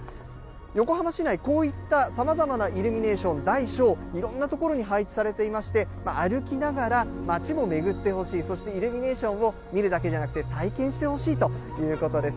横浜市内、こういったさまざまなイルミネーション、大小いろんな所に配置されていまして、歩きながら、街も巡ってほしい、そしてイルミネーションを見るだけじゃなくて、体験してほしいということです。